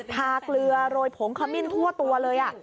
เกลือโรยผงขมิ้นทั่วตัวเลย